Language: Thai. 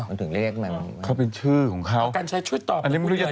มันถึงเรียกแมงมุมแม่ไหม้คือแมงมุมแม่ไหม้คือแมงมุมแม่ไหม้คือแมงมุมแม่ไหม้